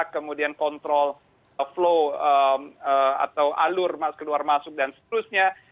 kemudian kontrol flow atau alur keluar masuk dan seterusnya